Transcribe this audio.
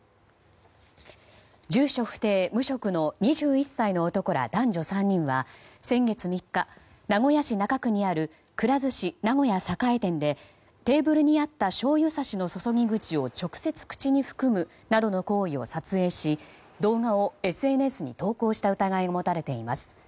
住所不定・無職の２１歳の男ら男女３人は先月３日、名古屋市中区にあるくら寿司名古屋栄店でテーブルにあったしょうゆさしの注ぎ口を直接、口に含むなどの行為を撮影し、動画をＳＮＳに投稿した疑いが持たれています。